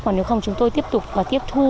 còn nếu không chúng tôi tiếp tục tiếp thu